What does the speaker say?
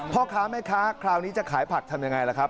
พ่อค้าแม่ค้าคราวนี้จะขายผักทำยังไงล่ะครับ